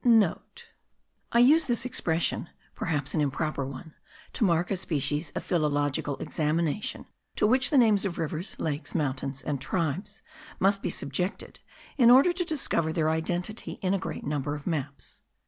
(* I use this expression, perhaps an improper one, to mark a species of philological examination, to which the names of rivers, lakes, mountains, and tribes, must be subjected, in order to discover their identity in a great number of maps.